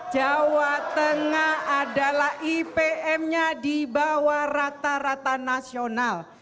jawa tengah adalah ipm nya di bawah rata rata nasional